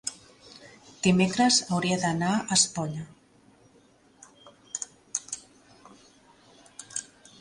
dimecres hauria d'anar a Espolla.